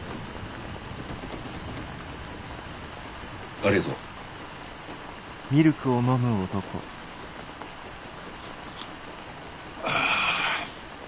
ありがとう。ああ。